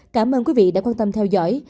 cảm ơn quý vị đã quan tâm theo dõi